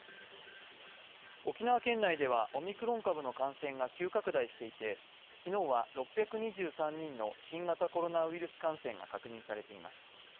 沖縄県内ではオミクロン株の感染が急拡大していて昨日は６２３人の新型コロナウイルス感染が確認されています。